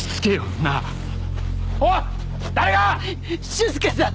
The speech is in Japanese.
修介さん！